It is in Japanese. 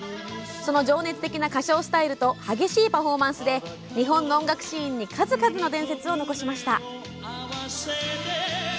その情熱的な歌唱スタイルと激しいパフォーマンスで日本の音楽シーンに数々の伝説を残しました。